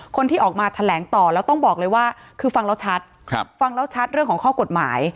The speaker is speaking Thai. คนที่ออกมาแถลงต่อแล้วต้องบอกเลยว่าคือฟังแล้วชัดฟังแล้วชัดเรื่องของข้อกฎหมาย